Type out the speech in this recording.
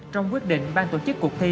trong quyết định bang tổ chức cuộc thi